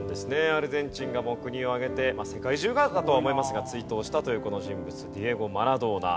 アルゼンチンが国を挙げて世界中がだとは思いますが追悼したというこの人物ディエゴ・マラドーナ。